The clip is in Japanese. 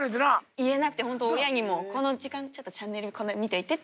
言えなくてホント親にも「この時間ちょっとチャンネルこれ見ていて」っていうだけで。